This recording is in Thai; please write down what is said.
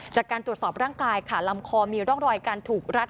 จากการตรวจสอบร่างกายค่ะลำคอมีร่องรอยการถูกรัด